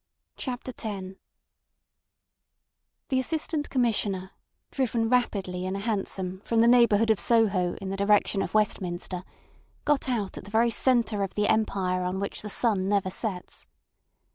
CHAPTER X The Assistant Commissioner, driven rapidly in a hansom from the neighbourhood of Soho in the direction of Westminster, got out at the very centre of the Empire on which the sun never sets.